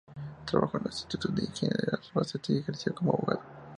Trabajó en el Instituto de Higiene de Albacete y ejerció como abogado.